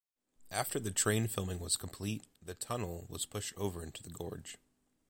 After the train filming was complete, the "tunnel" was pushed over into the gorge.